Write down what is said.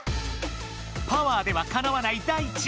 パワーではかなわないダイチ。